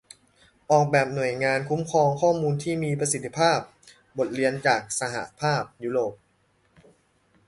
ออกแบบหน่วยงานคุ้มครองข้อมูลที่มีประสิทธิภาพ: บทเรียนจากสหภาพยุโรป